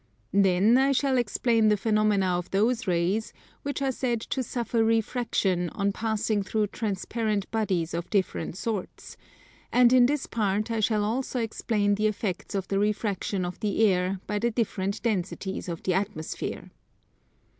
Then I shall explain the phenomena of those rays which are said to suffer refraction on passing through transparent bodies of different sorts; and in this part I shall also explain the effects of the refraction of the air by the different densities of the Atmosphere.